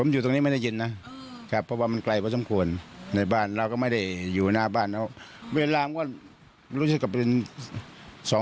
จะมีเรื่อยนะปัญหาอย่างนี้คือโลภอวกแวงตีกัน